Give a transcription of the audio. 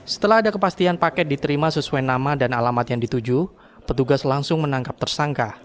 setelah ada kepastian paket diterima sesuai nama dan alamat yang dituju petugas langsung menangkap tersangka